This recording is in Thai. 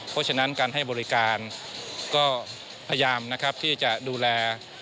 เพราะฉะนั้นการให้บริการก็พยายามนะครับที่จะดูแล